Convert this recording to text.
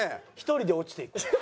１人で落ちていく。